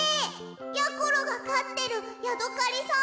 やころがかってるヤドカリさん！？